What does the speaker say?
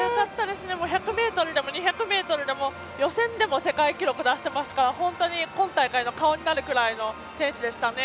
１００ｍでも２００ｍでも予選でも世界記録を出していますから本当に今大会の顔になるくらいの選手でしたね。